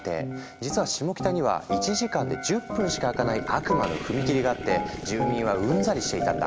実はシモキタには１時間で１０分しか開かない悪魔の踏切があって住民はうんざりしていたんだ。